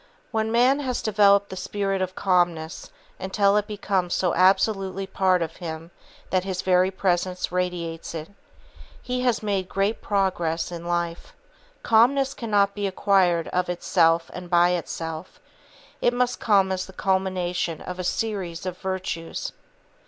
When man has developed the spirit of Calmness until it becomes so absolutely part of him that his very presence radiates it, he has made great progress in life. Calmness cannot be acquired of itself and by itself; it must come as the culmination of a series of virtues.